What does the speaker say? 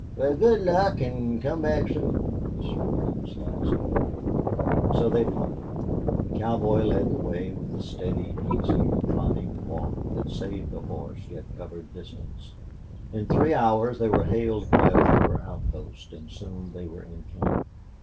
"Wal, good luck, an' come back soon," was Slingerland's last word. So they parted. The cowboy led the way with the steady, easy, trotting walk that saved a horse yet covered distance; in three hours they were hailed by a trooper outpost, and soon they were in camp.